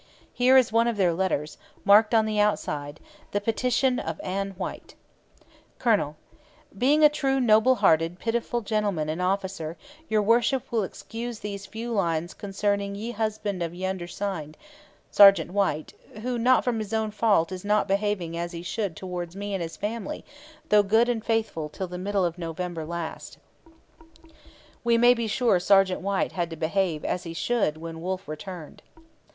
Here is one of their letters, marked on the outside, 'The Petition of Anne White': Collonnell, Being a True Noble hearted Pittyful gentleman and Officer your Worship will excuse these few Lines concerning ye husband of ye undersigned, Sergt. White, who not from his own fault is not behaving as Hee should towards me and his family, although good and faithfull till the middle of November last. We may be sure 'Sergt. White' had to behave 'as Hee should' when Wolfe returned!